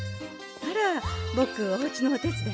あらぼくおうちのお手伝い？